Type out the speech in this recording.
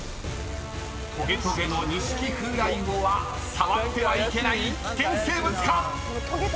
［とげとげのニシキフウライウオは触ってはいけない危険生物か⁉］